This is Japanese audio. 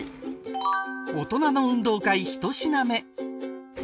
大人の運動会ひと品目